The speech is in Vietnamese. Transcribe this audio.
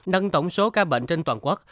nâng tổng số ca bệnh trên toàn quốc